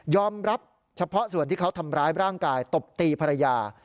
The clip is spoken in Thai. รับเฉพาะส่วนที่เขาทำร้ายร่างกายตบตีภรรยา